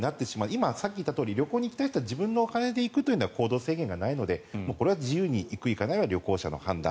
今さっき言ったように旅行に行きたい人というのは自分のお金で行くという行動制限がないのでこれは自由に行く行かないは旅行者の判断。